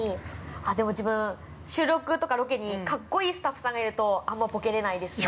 ◆でも自分、収録とかロケに格好いいスタッフさんがいるとあんまボケれないですね。